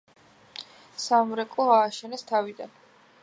სამრეკლო ააშენეს თავიდან.